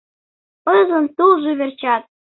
Пызлын тулжо верчат...